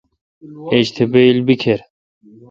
ایج تہ بییل بیکھر۔